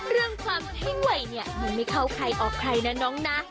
เรื่องความให้ไหวเนี่ยมันไม่เข้าใครออกใครนะน้องนะ